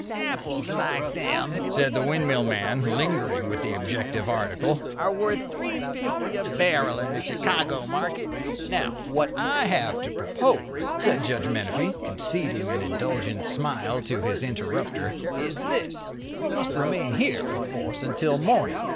"Apples like them," said the windmill man, lingering with the objective article, "are worth $3.50 a barrel in the Chicago market." "Now, what I have to propose," said Judge Menefee, conceding an indulgent smile to his interrupter, "is this: We must remain here, perforce, until morning.